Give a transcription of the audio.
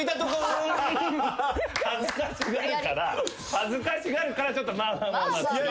恥ずかしがるからちょっとまぁまぁまぁ。